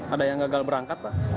ada yang gagal berangkat pak